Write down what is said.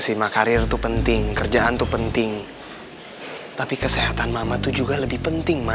sih mah karir itu penting kerjaan tuh penting tapi kesehatan mama tuh juga lebih penting ma